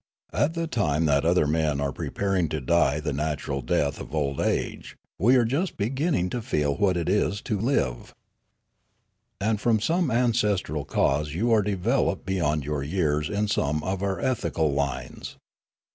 At the time that other men are preparing to die the natural death of old age, we are just beginning to feel what it is to live. " And from some ancestral cause you are developed beyond your years in some of our ethical lines.